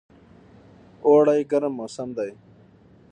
اوړی ګرم موسم دی